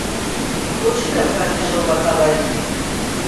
بۆچی لەم کاتەی شەو بەخەبەریت؟